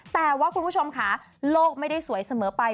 แต่ว่าคุณผู้ชมค่ะโลกไม่ได้สวยเสมอไป